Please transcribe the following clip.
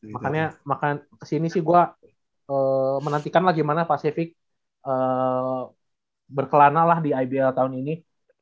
makanya kesini sih gue menantikan lah gimana pasifik berkelana lah di ibl tahun ini